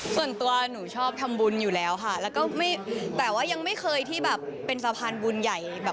ส่วนตัวหนูชอบทำบุญอยู่แล้วค่ะแต่ว่ายังไม่เคยที่เป็นสะพานบุญใหญ่